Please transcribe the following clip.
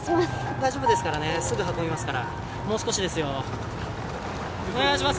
大丈夫ですからねすぐ運びますからもう少しですよお願いします